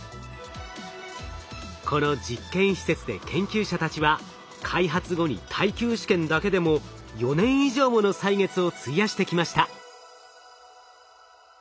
この実験施設で研究者たちは開発後に耐久試験だけでも４年以上もの歳月を費やしてきました。